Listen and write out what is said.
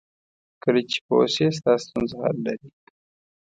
کله چې پوه شې ستا ستونزه حل لري.